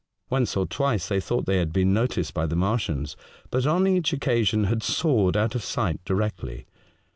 Once or twice they thought they had been noticed by the Martians, but on each occasion had soared out of sight directly.